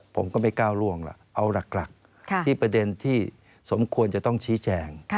ผมก็ไม่ก้าวล่วงล่ะเอาหลักที่ประเด็นที่สมควรจะต้องชี้แจง